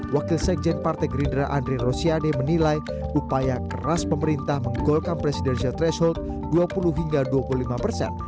wakil sekjen partai gerindra andre rosiade menilai upaya keras pemerintah menggolkan presidensial threshold dua puluh hingga dua puluh lima persen